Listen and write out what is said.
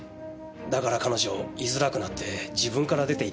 だから彼女いづらくなって自分から出て行ったんです。